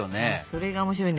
それが面白いのよ。